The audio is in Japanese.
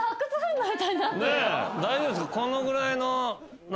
大丈夫ですか？